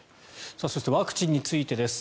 そしてワクチンについてです。